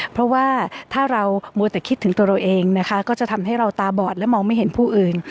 เพราะว่าถ้าเรามัวแต่คิดถึงตัวเราเองนะคะก็จะทำให้เราตาบอดและมองไม่เห็นผู้อื่น